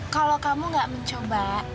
kalau kamu gak mencoba